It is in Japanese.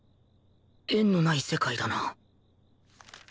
縁のない世界だな